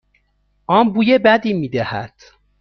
آن بوی بدی میدهد.